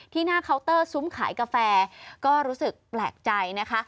หน้าเคาน์เตอร์ซุ้มขายกาแฟก็รู้สึกแปลกใจนะคะ